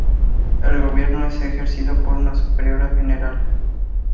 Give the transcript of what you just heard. El gobierno es ejercido por una superiora general.